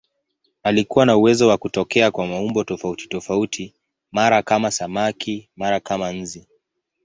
Alikuwa na uwezo wa kutokea kwa maumbo tofautitofauti, mara kama samaki, mara kama nzi.